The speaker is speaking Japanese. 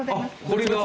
これが？